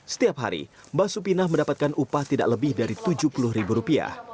setiap hari mbah supinah mendapatkan upah tidak lebih dari rp tujuh puluh